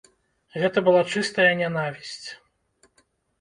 Гэта была чыстая нянавісць.